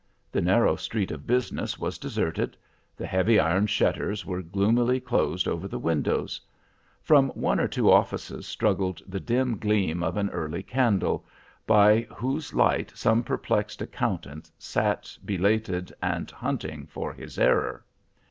The narrow street of business was deserted. The heavy iron shutters were gloomily closed over the windows. From one or two offices struggled the dim gleam of an early candle, by whose light some perplexed accountant sat belated, and hunting for his error.